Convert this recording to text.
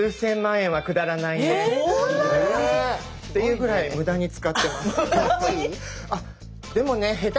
そんなに？っていうぐらい無駄に遣ってます。